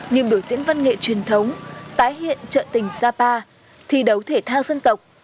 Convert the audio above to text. như biểu diễn văn nghệ truyền thống tái hiện trợ tình sapa thi đấu thể thao dân tộc